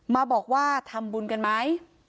มาบอกว่าทำบุญกันไหม